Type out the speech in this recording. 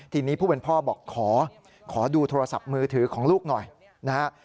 ทีนี้ผู้เป็นพ่อบอกขอดูโทรศัพท์มือถือของลูกหน่อยนะฮะ